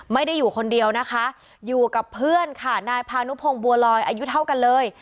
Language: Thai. ไม่ได้อยู่คนเดียวนะคะอยู่กับเพื่อนค่ะนายพานุพงศ์บัวลอยอายุเท่ากันเลย